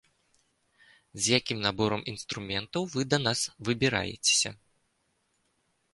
З якім наборам інструментаў вы да нас выбіраецеся?